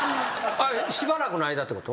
あっしばらくの間ってこと？